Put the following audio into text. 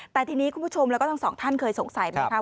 แต่ทีนี้คุณผู้ชมแล้วก็ทั้งสองท่านเคยสงสัยไหมคะ